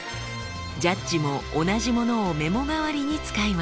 ジャッジも同じものをメモ代わりに使います。